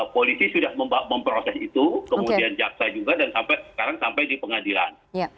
polisi sudah memproses itu kemudian jaksa juga dan sampai sekarang sampai di pengadilan